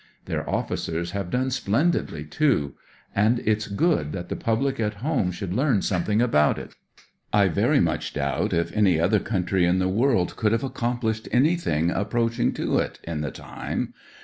Their officers have done splendidly, too, and it's good that the public at home should learn something about it. I very much doubt if any other country in the world could have accomplished anything approaching to it, in the time.